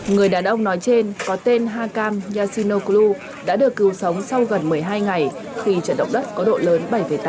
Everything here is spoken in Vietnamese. người đàn ông nói trên có tên hakam yashino klu đã được cứu sống sau gần một mươi hai ngày khi trận động đất có độ lớn bảy tám